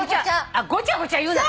あっごちゃごちゃ言うな。